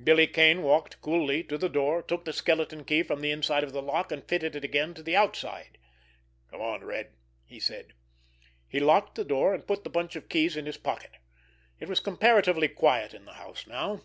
Billy Kane walked coolly to the door, took the skeleton key from the inside of the lock, and fitted it again to the outside. "Come on, Red!" he said. He locked the door, and put the bunch of keys in his pocket. It was comparatively quiet in the house now.